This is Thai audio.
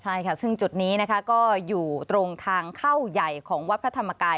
ใช่ค่ะซึ่งจุดนี้นะคะก็อยู่ตรงทางเข้าใหญ่ของวัดพระธรรมกาย